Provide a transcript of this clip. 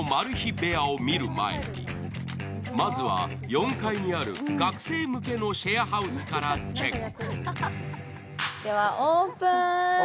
部屋を見る前にまずは４階にある学生向けのシェアハウすからチェック。